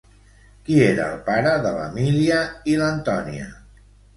Qui era el pare de l'Emília i l'Antònia?